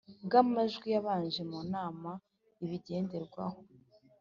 Bw amajwi y abaje mu nama ibigenderwaho